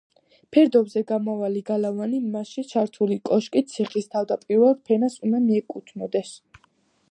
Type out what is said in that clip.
ფერდობზე გამავალი გალავანი მასში ჩართული კოშკით, ციხის თავდაპირველ ფენას უნდა მიეკუთვნებოდეს.